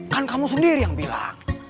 kan kamu sendiri yang bilang